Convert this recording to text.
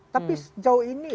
tapi sejauh ini